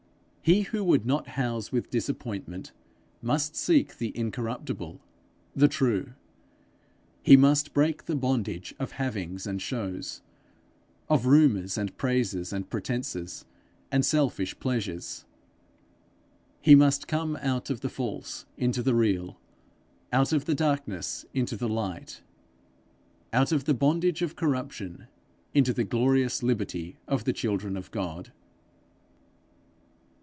He who would not house with disappointment, must seek the incorruptible, the true. He must break the bondage of havings and shows; of rumours, and praises, and pretences, and selfish pleasures. He must come out of the false into the real; out of the darkness into the light; out of the bondage of corruption into the glorious liberty of the children of God.